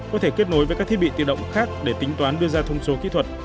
có thể kết nối với các thiết bị tự động khác để tính toán đưa ra thông số kỹ thuật